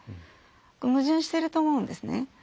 矛盾してると思うんですね。